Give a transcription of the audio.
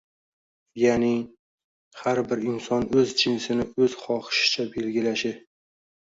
ya’ni, «har bir inson o‘z jinsini o‘z xohishicha belgilashi»